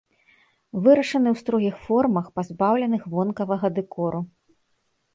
Вырашаны ў строгіх формах, пазбаўленых вонкавага дэкору.